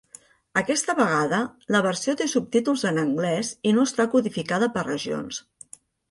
Aquesta vegada, la versió té subtítols en anglès i no està codificada per regions.